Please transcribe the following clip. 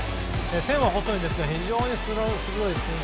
線は細いですが非常に鋭いスイング。